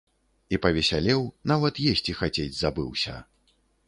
І павесялеў, нават есці хацець забыўся.